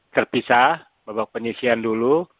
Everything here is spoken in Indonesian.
terpisah beberapa penyisian dulu